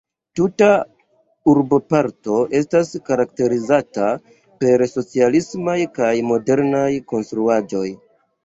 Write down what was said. Tuta urboparto estas karakterizata per socialismaj kaj modernaj konstruaĵoj.